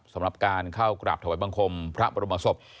สำหรับการเข้ากราบถวายบังคมพระบรมศพ